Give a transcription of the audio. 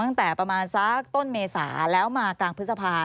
ตั้งแต่ประมาณสักต้นเมษาแล้วมากลางพฤษภา